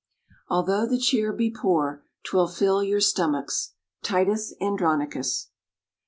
Although the cheer be poor, 'Twill fill your stomachs. _Titus Andronicus.